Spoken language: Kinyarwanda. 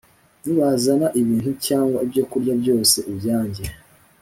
Nibazana ibintu cyangwa ibyokurya byose ubyange